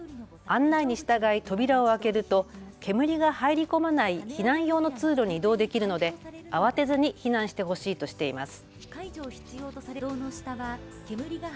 案内に従い扉を開けると煙が入り込まない避難用の通路に移動できるので慌てずに避難してほしいとしています。